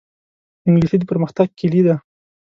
انګلیسي د پرمختګ کلي ده